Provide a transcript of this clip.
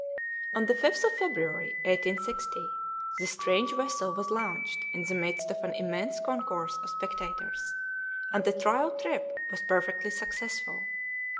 On the 5th of February, 1860, this strange vessel was launched in the midst of an immense concourse of spectators, and the trial trip was perfectly successful.